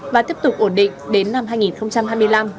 và tiếp tục ổn định đến năm hai nghìn hai mươi năm